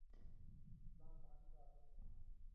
اسلام فرهنګ ته ارزښت ورکوي.